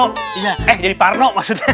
eh jadi parno maksudnya